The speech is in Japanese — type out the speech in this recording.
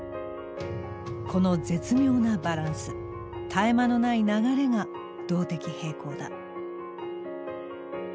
この絶妙なバランス絶え間のない流れが動的平衡だ。